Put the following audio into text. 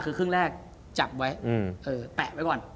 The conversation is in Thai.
คือครึ่งแรกจับไว้แปะไว้ก่อน